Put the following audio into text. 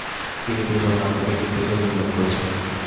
তিনি দুজন নাট্য ব্যক্তিত্বকেও নিয়োগ করেছিলেন।